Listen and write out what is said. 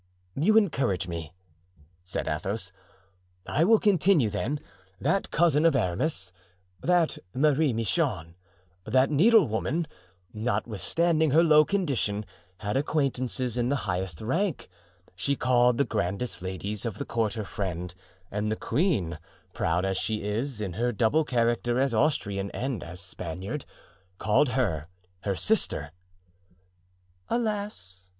"You encourage me," said Athos, "I will continue, then. That cousin of Aramis, that Marie Michon, that needlewoman, notwithstanding her low condition, had acquaintances in the highest rank; she called the grandest ladies of the court her friend, and the queen—proud as she is, in her double character as Austrian and as Spaniard—called her her sister." "Alas!"